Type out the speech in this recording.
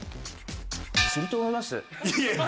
すると思います。